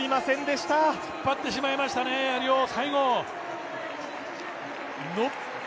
引っ張ってしまいましたね、最後。